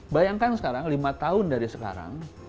bayangkan sekarang lima tahun dari sekarang